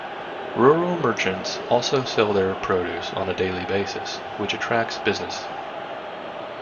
Rural merchants also sell their produce on a daily basis, which attracts business.